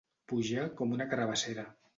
Pujar com una carabassera.